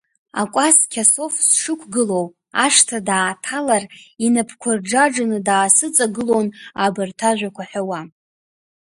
Акәасқьа асоф сшықәгылоу ашҭа дааҭалар, инапқәа рџаџаны даасыҵагылон, абарҭ ажәақәа ҳәауа.